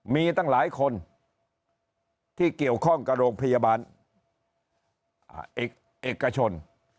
มีตั้งหลายคนที่เกี่ยวข้องกับโรงพยาบาลเอกชน